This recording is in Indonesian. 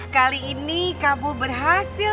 kali ini kamu berhasil